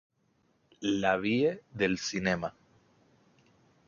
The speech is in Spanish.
La vie del cinema".